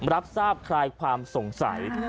รับทราบคลายความสงสัย